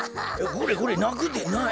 これこれなくでない。